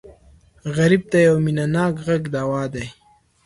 غریب ته یو مینهناک غږ دوا ده